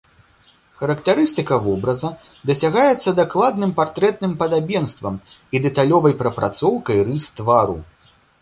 Характарыстыка вобраза дасягаецца дакладным партрэтным падабенствам і дэталёвай прапрацоўкай рыс твару.